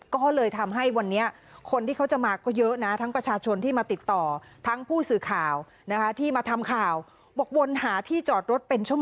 ก็เลยทำให้วันนี้คนที่เขาจะมาก็เยอะนะทั้งประชาชนที่มาติดต่อทั้งผู้สื่อข่าวนะคะที่มาทำข่าวบอกวนหาที่จอดรถเป็นชั่วโมง